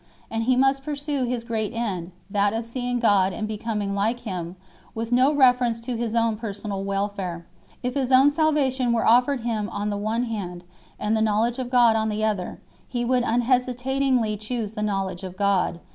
And he must pursue his great end that of seeing God and becoming like Him with no reference to his own personal welfare ; if his own salvation were offered him on the one hand and the knowledge of God on the other, he would unhesitatingly choose the knowledge of God 8